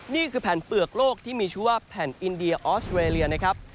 นี่คือแผ่นเปลือกโลกที่มีชื่อว่าแผ่นอินเดียออสเตรเลียนะครับ